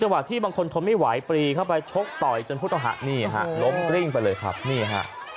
จังหวะที่บางคนทบไม่ไหวปีเข้าไปชบต่อยกันพุทธหะนี่รบกลิ้งไปเลยครับนี่ฮะ